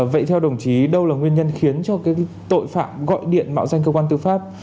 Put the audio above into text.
vậy theo đồng chí đâu là nguyên nhân khiến cho cái tội phạm gọi điện mạo danh cơ quan tư pháp